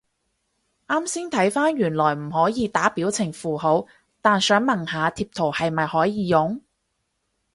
啱先睇返原來唔可以打表情符號，但想問下貼圖係咪可以用？